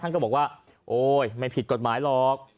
ก็บอกว่าโอ๊ยไม่ผิดกฎหมายหรอก